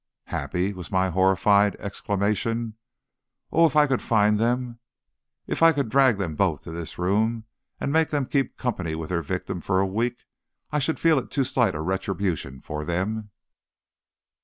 "Happy!" was my horrified exclamation. "Oh, if I could find them! If I could drag them both to this room and make them keep company with their victim for a week, I should feel it too slight a retribution for them."